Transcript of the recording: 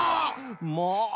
もう！